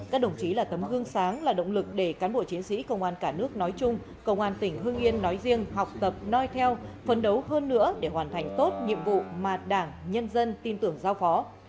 các đồng chí là tấm gương sáng là động lực để cán bộ chiến sĩ công an cả nước nói chung công an tỉnh hương yên nói riêng học tập noi theo phấn đấu hơn nữa để hoàn thành tốt nhiệm vụ mà đảng nhân dân tin tưởng giao phó